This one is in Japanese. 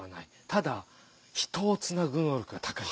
ただ人をつなぐ能力が高い」。